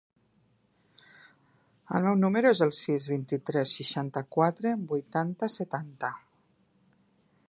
El meu número es el sis, vint-i-tres, seixanta-quatre, vuitanta, setanta.